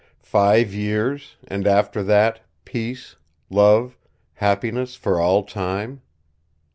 Five years, and after that peace, love, happiness for all time?